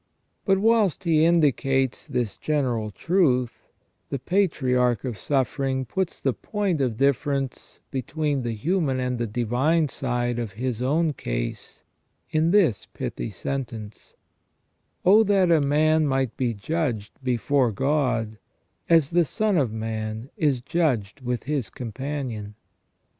But whilst he indicates this general truth, the patriarch of suffering puts the point of difference between the human and divine side of his own case in this pithy sentence :" O that a man might be judged before God, as the son of man is judged with his companion